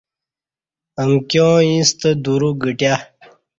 امکیاں اِیݩستہ دورو گھٹیہ